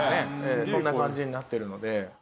そんな感じになってるので。